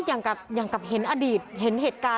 เพื่อนบ้านเจ้าหน้าที่อำรวจกู้ภัย